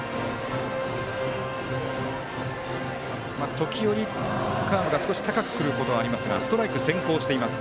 時折、カーブが少し高くくることはありますがストライク先行しています